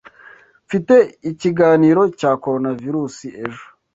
Mfite ikiganiro cya Coronavirusi ejo.